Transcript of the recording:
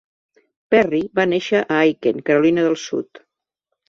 Perry va néixer a Aiken, Carolina del Sud.